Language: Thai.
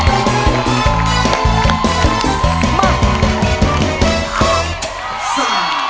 เย้เย้